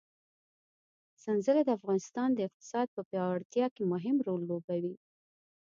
سنځله د افغانستان د اقتصاد په پیاوړتیا کې مهم رول لوبوي.